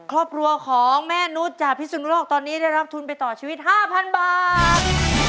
ครอบครัวของแม่นุษย์จากพิสุนโลกตอนนี้ได้รับทุนไปต่อชีวิต๕๐๐๐บาท